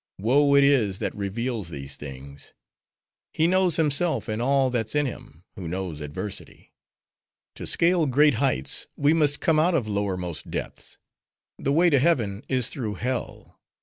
Woe it is, that reveals these things. He knows himself, and all that's in him, who knows adversity. To scale great heights, we must come out of lowermost depths. The way to heaven is through hell.